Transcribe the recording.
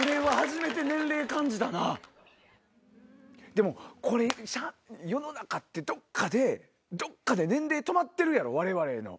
でもこれ世の中ってどっかで年齢止まってるやろわれわれの。